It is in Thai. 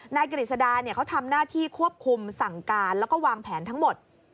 กฤษดาเขาทำหน้าที่ควบคุมสั่งการแล้วก็วางแผนทั้งหมด